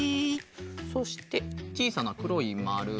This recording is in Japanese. そしてちいさなくろいまる。